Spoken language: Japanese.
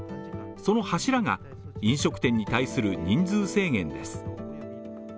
その柱が飲食店に対する人数制限です。